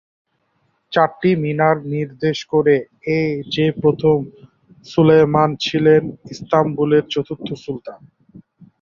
চারটি মিনার নির্দেশ করে যে প্রথম সুলায়মান ছিলেন ইস্তানবুলের চতুর্থ সুলতান।